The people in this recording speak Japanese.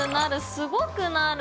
すごくなる。